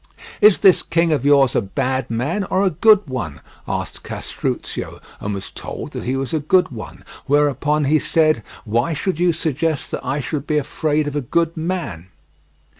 "Is this king of yours a bad man or a good one?" asked Castruccio, and was told that he was a good one, whereupon he said, "Why should you suggest that I should be afraid of a good man?"